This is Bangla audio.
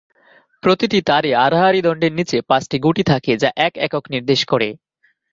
প্রতিটি তারে আড়াআড়ি দণ্ডের নিচে পাঁচটি গুটি থাকে, যা এক একক নির্দেশ করে।